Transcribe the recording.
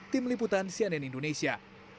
tim liputan cnn indonesia